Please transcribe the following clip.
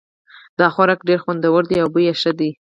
دا خوراک ډېر خوندور ده او بوی یې ښه ده